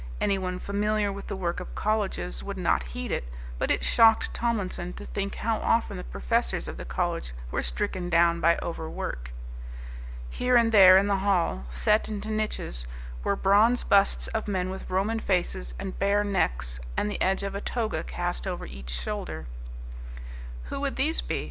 Anyone familiar with the work of colleges would not heed it, but it shocked Tomlinson to think how often the professors of the college were stricken down by overwork. Here and there in the hall, set into niches, were bronze busts of men with Roman faces and bare necks, and the edge of a toga cast over each shoulder. "Who would these be?"